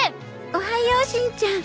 おはようしんちゃん。